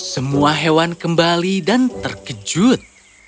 semua hewan kembali dan terkejut